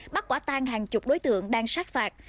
bắt quả tang hàng chục đối tượng đang sát phạt